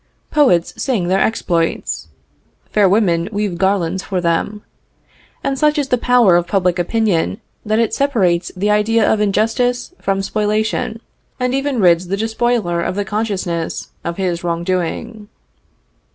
Poets sing their exploits. Fair women weave garlands for them. And such is the power of public opinion that it separates the idea of injustice from spoliation, and even rids the despoiler of the consciousness of his wrong doing.